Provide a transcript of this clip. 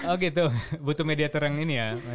oh gitu butuh mediator yang ini ya